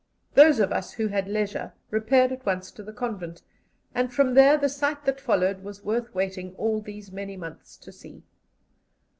Those of us who had leisure repaired at once to the convent, and from there the sight that followed was worth waiting all these many months to see.